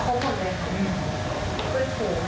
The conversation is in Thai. พูดถูกทุกคนจะได้ความรักครบทุกรถ